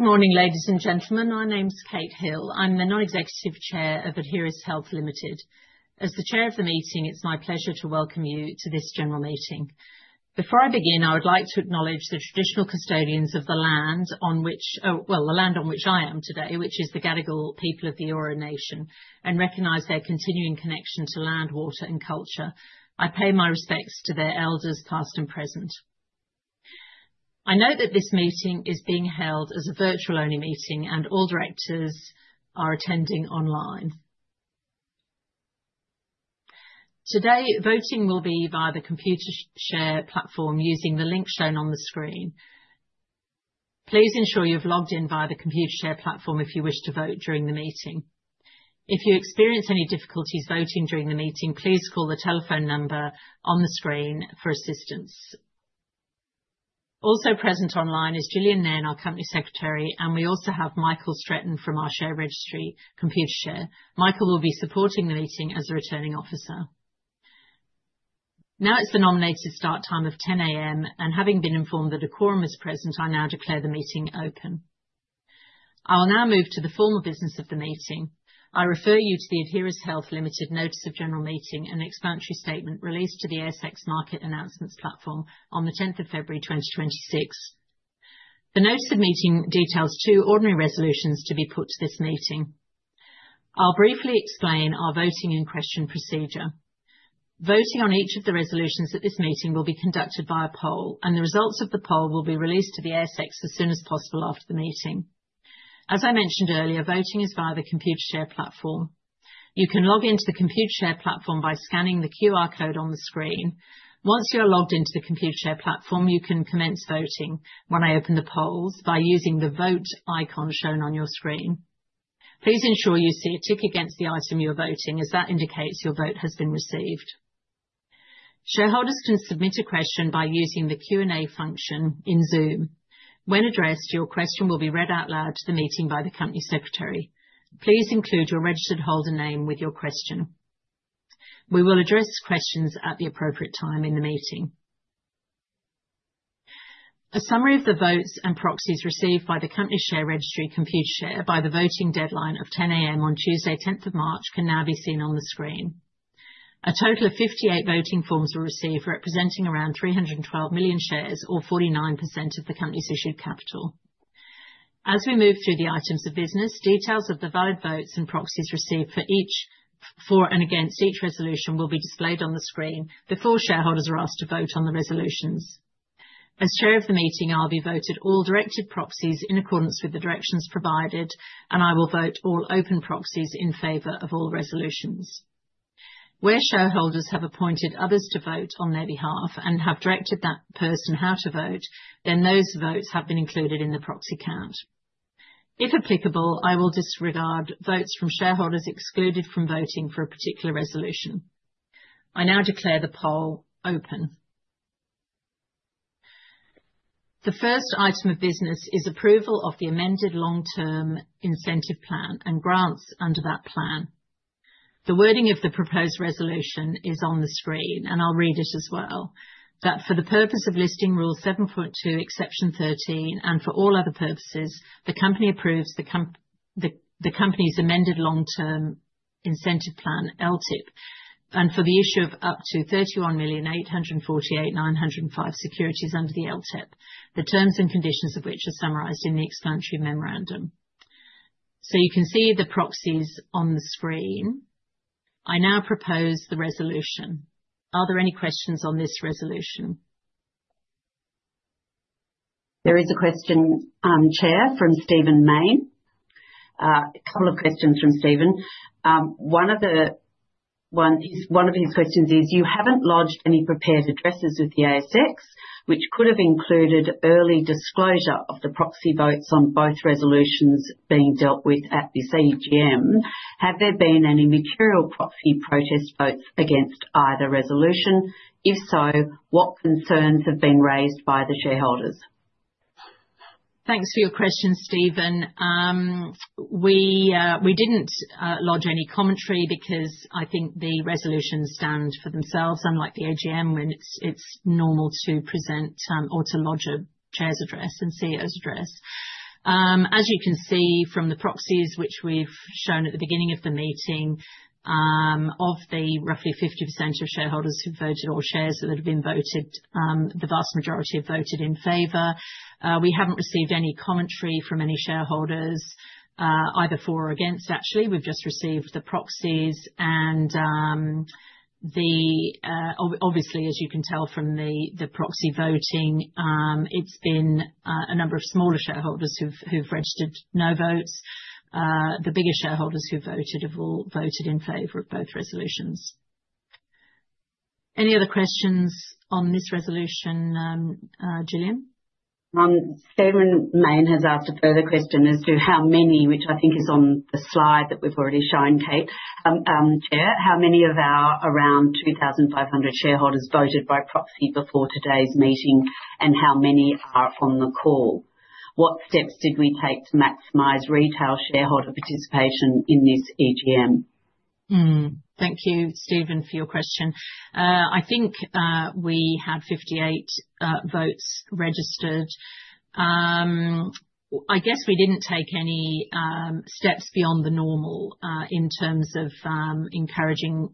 Good morning, ladies and gentlemen. My name's Kate Hill. I'm the non-executive chair of Adheris Health Limited. As the chair of the meeting, it's my pleasure to welcome you to this general meeting. Before I begin, I would like to acknowledge the traditional custodians of the land on which I am today, which is the Gadigal people of the Eora Nation, and recognize their continuing connection to land, water, and culture. I pay my respects to their elders, past and present. I note that this meeting is being held as a virtual-only meeting, and all directors are attending online. Today, voting will be via the Computershare platform using the link shown on the screen. Please ensure you've logged in via the Computershare platform if you wish to vote during the meeting. If you experience any difficulties voting during the meeting, please call the telephone number on the screen for assistance. Also present online is Gillian Nairn, our company secretary. We also have Michael Stretton from our share registry, Computershare. Michael will be supporting the meeting as a returning officer. Now it's the nominated start time of 10:00 A.M. Having been informed that a quorum is present, I now declare the meeting open. I will now move to the formal business of the meeting. I refer you to the Adheris Health Limited notice of general meeting and the explanatory statement released to the ASX market announcements platform on the 10th of February 2026. The notice of meeting details two ordinary resolutions to be put to this meeting. I'll briefly explain our voting and question procedure. Voting on each of the resolutions at this meeting will be conducted by a poll. The results of the poll will be released to the ASX as soon as possible after the meeting. As I mentioned earlier, voting is via the Computershare platform. You can log in to the Computershare platform by scanning the QR code on the screen. Once you are logged into the Computershare platform, you can commence voting when I open the polls by using the Vote icon shown on your screen. Please ensure you see a tick against the item you are voting, as that indicates your vote has been received. Shareholders can submit a question by using the Q&A function in Zoom. When addressed, your question will be read out loud to the meeting by the company secretary. Please include your registered holder name with your question. We will address questions at the appropriate time in the meeting. A summary of the votes and proxies received by the company share registry, Computershare, by the voting deadline of 10:00 A.M. on Tuesday 10th of March, can now be seen on the screen. A total of 58 voting forms were received, representing around 312 million shares or 49% of the company's issued capital. As we move through the items of business, details of the valid votes and proxies received for and against each resolution will be displayed on the screen before shareholders are asked to vote on the resolutions. As chair of the meeting, I'll be voted all directed proxies in accordance with the directions provided. I will vote all open proxies in favor of all resolutions. Where shareholders have appointed others to vote on their behalf and have directed that person how to vote, then those votes have been included in the proxy count. If applicable, I will disregard votes from shareholders excluded from voting for a particular resolution. I now declare the poll open. The first item of business is approval of the amended long-term incentive plan and grants under that plan. The wording of the proposed resolution is on the screen, and I'll read it as well. That for the purpose of Listing Rule 7.2, Exception 13, and for all other purposes, the company approves the company's amended long-term incentive plan, LTIP, and for the issue of up to 31,848,905 securities under the LTIP, the terms and conditions of which are summarized in the explanatory memorandum. You can see the proxies on the screen. I now propose the resolution. Are there any questions on this resolution? There is a question, Chair, from Stephen Mayne. A couple of questions from Stephen. One of his questions is, you haven't lodged any prepared addresses with the ASX, which could have included early disclosure of the proxy votes on both resolutions being dealt with at this EGM. Have there been any material proxy protest votes against either resolution? If so, what concerns have been raised by the shareholders? Thanks for your question, Stephen. We didn't lodge any commentary because I think the resolutions stand for themselves, unlike the AGM when it's normal to present or to lodge a Chair's address and CEO's address. As you can see from the proxies which we've shown at the beginning of the meeting, of the roughly 50% of shareholders who voted all shares that had been voted, the vast majority have voted in favor. We haven't received any commentary from any shareholders, either for or against, actually. We've just received the proxies and obviously, as you can tell from the proxy voting, it's been a number of smaller shareholders who've registered no votes. The bigger shareholders who voted have all voted in favor of both resolutions. Any other questions on this resolution, Gillian? Stephen Mayne has asked a further question as to how many, which I think is on the slide that we've already shown, Chair. How many of our around 2,500 shareholders voted by proxy before today's meeting, and how many are on the call? What steps did we take to maximize retail shareholder participation in this EGM? Thank you, Stephen, for your question. I think we had 58 votes registered. I guess we didn't take any steps beyond the normal in terms of encouraging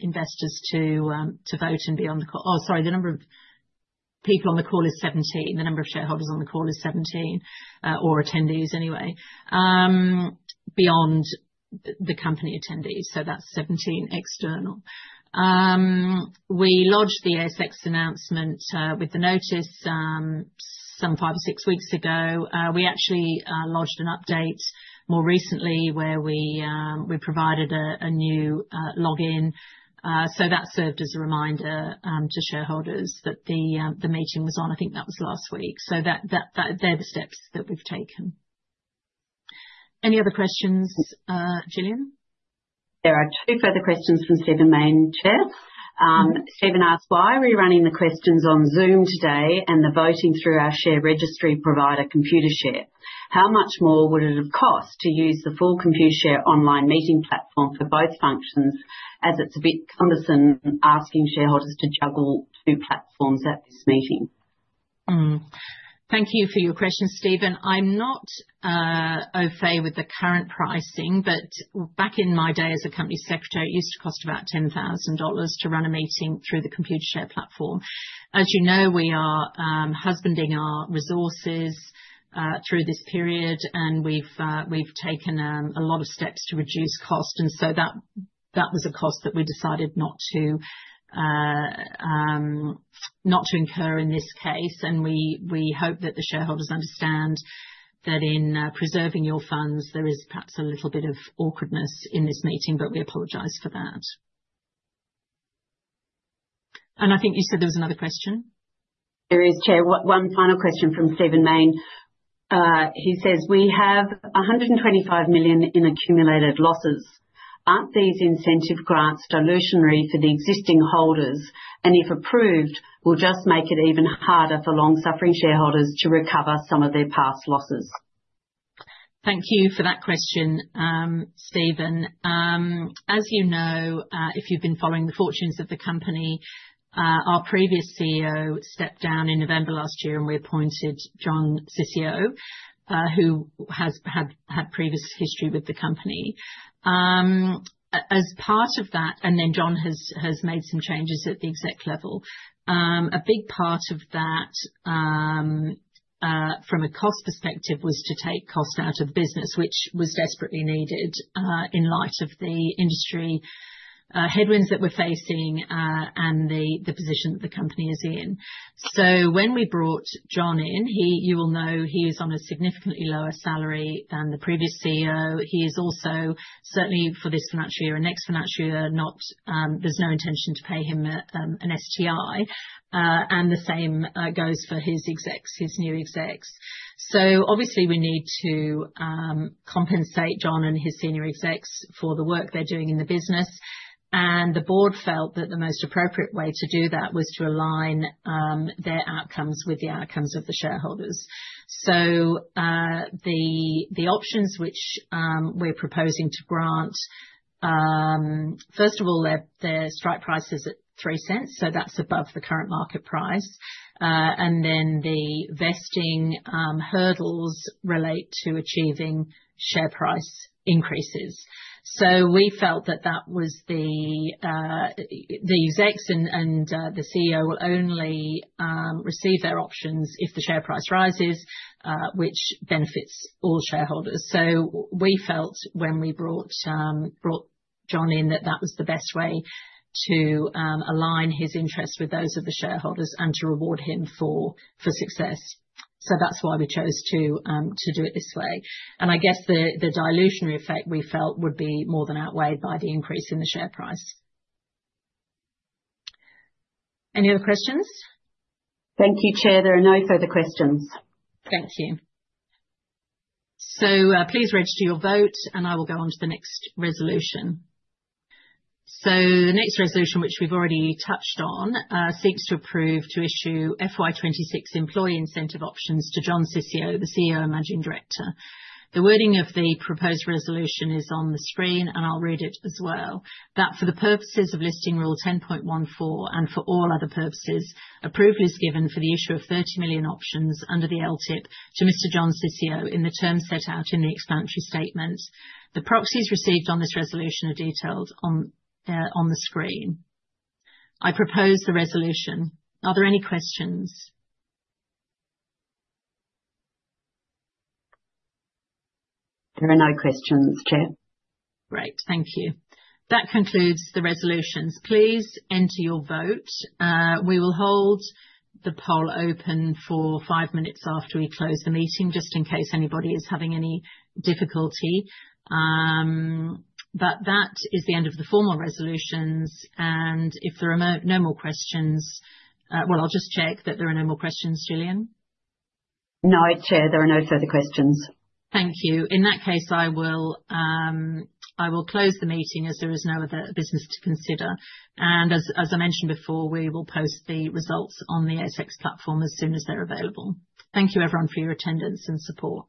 investors to vote and be on the call. Oh, sorry, the number of people on the call is 17. The number of shareholders on the call is 17, or attendees anyway, beyond the company attendees. That's 17 external. We lodged the ASX announcement with the notice some five or six weeks ago. We actually lodged an update more recently where we provided a new login. That served as a reminder to shareholders that the meeting was on. I think that was last week. They're the steps that we've taken. Any other questions, Gillian? There are two further questions from Stephen Mayne, Chair. Stephen asks, "Why are we running the questions on Zoom today and the voting through our share registry provider, Computershare? How much more would it have cost to use the full Computershare online meeting platform for both functions, as it's a bit cumbersome asking shareholders to juggle two platforms at this meeting? Thank you for your question, Stephen. I'm not au fait with the current pricing, but back in my day as a company secretary, it used to cost about 10,000 dollars to run a meeting through the Computershare platform. As you know, we are husbanding our resources through this period, we've taken a lot of steps to reduce cost. That was a cost that we decided not to incur in this case. We hope that the shareholders understand that in preserving your funds, there is perhaps a little bit of awkwardness in this meeting, but we apologize for that. I think you said there was another question. There is, Chair. One final question from Stephen Mayne. He says, "We have 125 million in accumulated losses. Aren't these incentive grants dilutionary for the existing holders and, if approved, will just make it even harder for long-suffering shareholders to recover some of their past losses? Thank you for that question, Stephen. As you know, if you've been following the fortunes of the company, our previous CEO stepped down in November last year, we appointed John Ciccio, who had previous history with the company. John has made some changes at the exec level. A big part of that from a cost perspective was to take cost out of the business, which was desperately needed in light of the industry headwinds that we're facing and the position that the company is in. When we brought John in, you will know he is on a significantly lower salary than the previous CEO. He is also, certainly for this financial year and next financial year, there's no intention to pay him an STI. The same goes for his execs, his new execs. Obviously we need to compensate John and his senior execs for the work they're doing in the business. The board felt that the most appropriate way to do that was to align their outcomes with the outcomes of the shareholders. The options which we're proposing to grant, first of all, their strike price is at 0.03, that's above the current market price. The vesting hurdles relate to achieving share price increases. We felt that the execs and the CEO will only receive their options if the share price rises, which benefits all shareholders. We felt when we brought John in, that that was the best way to align his interests with those of the shareholders and to reward him for success. That's why we chose to do it this way. I guess the dilutionary effect we felt would be more than outweighed by the increase in the share price. Any other questions? Thank you, Chair. There are no further questions. Thank you. Please register your vote and I will go on to the next resolution. The next resolution, which we've already touched on, seeks to approve to issue FY 2026 employee incentive options to John Ciccio, the CEO and Managing Director. The wording of the proposed resolution is on the screen, and I'll read it as well. That for the purposes of Listing Rule 10.14 and for all other purposes, approval is given for the issue of 30 million options under the LTIP to Mr. John Ciccio in the terms set out in the explanatory statement. The proxies received on this resolution are detailed on the screen. I propose the resolution. Are there any questions? There are no questions, Chair. Great. Thank you. That concludes the resolutions. Please enter your vote. We will hold the poll open for five minutes after we close the meeting, just in case anybody is having any difficulty. That is the end of the formal resolutions, and if there are no more questions, I'll just check that there are no more questions. Gillian? No, Chair, there are no further questions. Thank you. In that case, I will close the meeting as there is no other business to consider. As I mentioned before, we will post the results on the ASX platform as soon as they're available. Thank you everyone for your attendance and support.